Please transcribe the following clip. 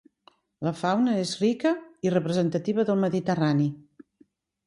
La fauna és rica i representativa del mediterrani.